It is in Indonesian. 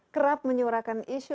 kerap menyuarakan isu